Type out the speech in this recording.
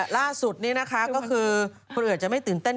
ล่าสุดนี้นะคะก็คือคนอื่นจะไม่ตื่นเต้น